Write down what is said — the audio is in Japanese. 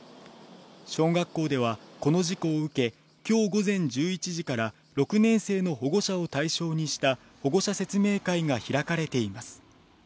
小学校では、この事故を受け、きょう午前１１時から６年生の保護者を対象にした保護者説明会が開かれています。